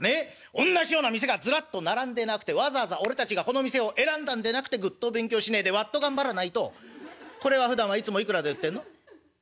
おんなしような店がずらっと並んでなくてわざわざ俺たちがこの店を選んだんでなくてぐっと勉強しねえでわっと頑張らないとこれはふだんはいつもいくらで売ってんの？」。